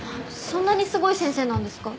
そんなにすごい先生なんですか？